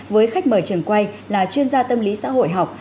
với khách mời trường quay là chuyên gia tâm lý xã hội học